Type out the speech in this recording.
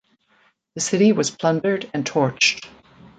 The city was plundered and torched.